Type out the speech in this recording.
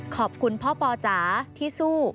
ขอบคุณพ่อปอจ๋าที่สู้